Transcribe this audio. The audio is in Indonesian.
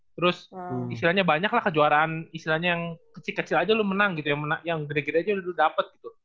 terus istilahnya banyak lah kejuaraan istilahnya yang kecil kecil aja lu menang gitu yang gede gede aja udah lu dapet gitu